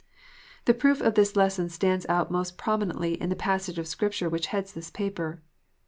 The proof of this lesson stands out most prominently in the passage of Scripture which heads this paper.